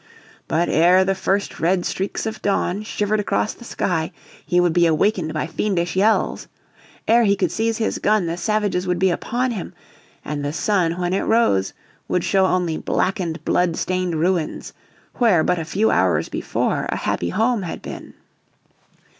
But ere the first red streaks of dawn shivered across the sky he would be awakened by fiendish yells. Ere he could seize his gun the savages would be upon him. And the sun when it rose would show only blackened, blood stained ruins where but a few hours before a happy home had been.